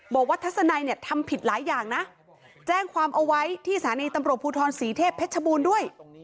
บอกว่าทัศนัยเนี่ยทำผิดหลายอย่างนะแจ้งความเอาไว้ที่สถานีตำรวจภูทรศรีเทพเพชรบูรณ์ด้วย